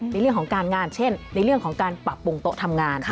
ในเรื่องของการงานเช่นในเรื่องของการปรับปรุงโต๊ะทำงาน